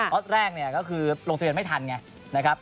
ล็อตแรกก็คือลงสนามไม่ทัน